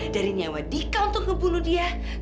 dari nyawa dika untuk ngebunuh dia